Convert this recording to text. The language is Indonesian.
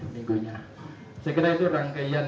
minggunya saya kira itu rangkaian